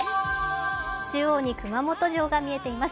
中央に熊本城が見えています。